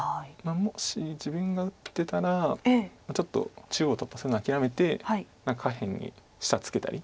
もし自分が打ってたらちょっと中央突破するの諦めて下辺に下ツケたり。